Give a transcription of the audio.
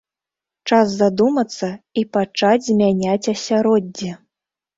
Час задумацца і пачаць змяняць асяроддзе!